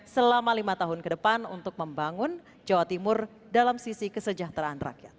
selama lima tahun ke depan untuk membangun jawa timur dalam sisi kesejahteraan rakyat